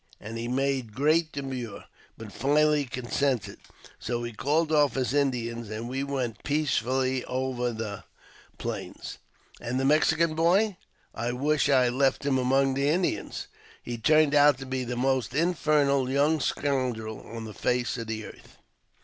"And he made great demur, but finally consented. So he called off his Indians, and we went peacefully over the Plains." " And the Mexican boy ?"*' I wished I had left him among the Indians. He turned out to be the most infernal young scoundrel on the face of the earth."